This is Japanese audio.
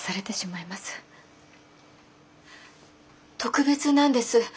特別なんです